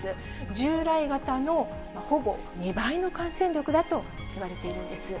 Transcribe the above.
従来型のほぼ２倍の感染力だと言われているんです。